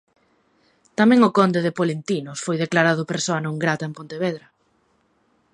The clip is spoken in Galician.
Tamén o conde de Polentinos foi declarado persoa non grata en Pontevedra.